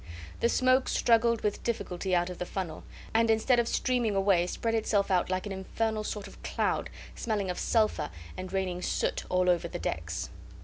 The smoke struggled with difficulty out of the funnel, and instead of streaming away spread itself out like an infernal sort of cloud, smelling of sulphur and raining soot all over the decks.